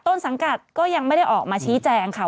ต้นสังกัดก็ยังไม่ได้ออกมาชี้แจงค่ะ